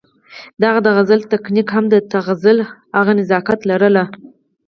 د هغه د غزل تکنيک هم د تغزل هغه نزاکت لرلو